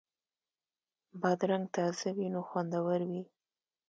بادرنګ تازه وي نو خوندور وي.